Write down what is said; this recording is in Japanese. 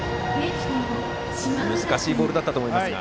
難しいボールだったと思いますが。